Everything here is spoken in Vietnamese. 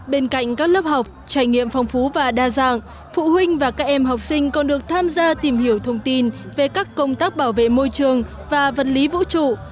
bên cạnh các lớp học trải nghiệm phong phú và đa dạng phụ huynh và các em học sinh còn được tham gia tìm hiểu thông tin về các công tác bảo vệ môi trường và vật lý vũ trụ